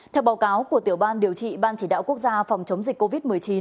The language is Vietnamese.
theo báo cáo của tiểu ban điều trị ban chỉ đạo quốc gia phòng chống dịch covid một mươi chín